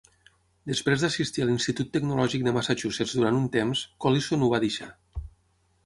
Després d'assistir a l'Institut Tecnològic de Massachusetts durant un temps, Collison ho va deixar.